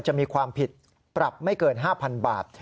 จะมีความผิดปรับไม่เกิน๕๐๐๐บาท